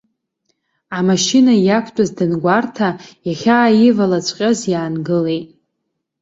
Амашьына иақәтәаз, дангәарҭа, иахьааивалаҵәҟьаз иаангылеит.